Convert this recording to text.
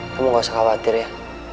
kamu gak usah khawatir ya